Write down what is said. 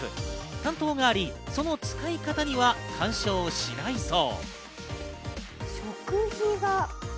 担当があり、その使い方には干渉しないそう。